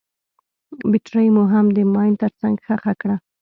بټرۍ مو هم د ماين تر څنګ ښخه کړه.